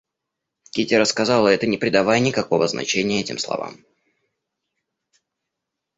Кити рассказала это, не придавая никакого значения этим словам.